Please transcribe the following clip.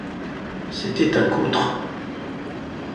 C’était un coutre.